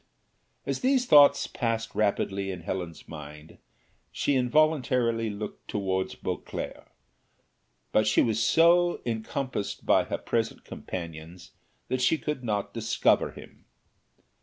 As these thoughts passed rapidly in Helen's mind, she involuntarily looked towards Beauclerc; but she was so encompassed by her present companions that she could not discover him.